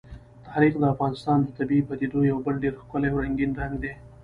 تاریخ د افغانستان د طبیعي پدیدو یو بل ډېر ښکلی او رنګین رنګ دی.